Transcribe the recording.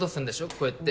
こうやって。